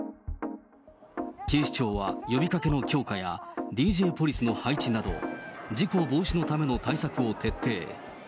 警視庁は呼びかけの強化や、ＤＪポリスの配置など、事故防止のための対策を徹底。